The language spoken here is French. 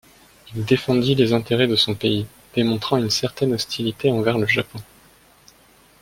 Il défendit les intérêts de son pays, démontrant une certaine hostilité envers le Japon.